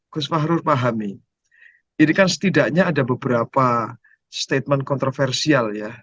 gus fahrul pahami ini kan setidaknya ada beberapa statement kontroversial ya